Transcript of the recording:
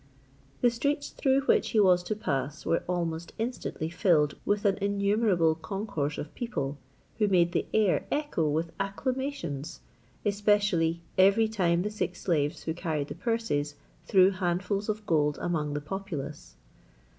The streets through which he was to pass were almost instantly filled with an innumerable concourse of people, who made the air echo with acclamations, especially every time the six slaves who carried the purses threw handfuls of gold among the populace.